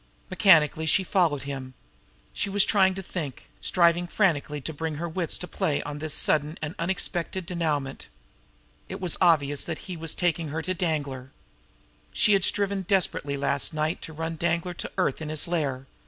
Mechanically she followed him. She was trying to think; striving frantically to bring her wits to play on this sudden and unexpected denouement. It was obvious that he was taking her to Danglar. She had striven desperately last night to run Danglar to earth in his lair.